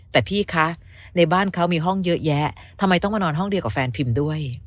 แต่พี่คะในบ้านเขามีห้องเยอะแยะทำไมต้องมานอนห้องเดียวกับแฟนพิมพ์ด้วย